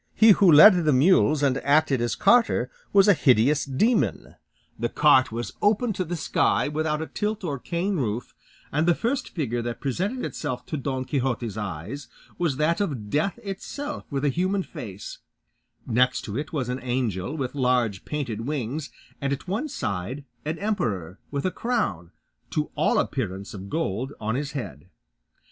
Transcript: He who led the mules and acted as carter was a hideous demon; the cart was open to the sky, without a tilt or cane roof, and the first figure that presented itself to Don Quixote's eyes was that of Death itself with a human face; next to it was an angel with large painted wings, and at one side an emperor, with a crown, to all appearance of gold, on his head.